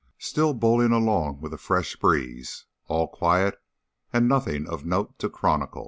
Still bowling along with a fresh breeze. All quiet and nothing of note to chronicle.